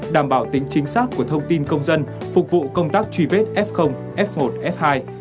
đảm bảo tính chính xác của thông tin công dân phục vụ công tác truy vết f f một f hai